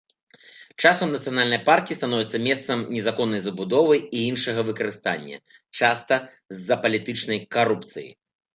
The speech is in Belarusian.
Часам нацыянальныя паркі становяцца месцам незаконнай забудовы і іншага выкарыстання, часта з-за палітычнай карупцыі.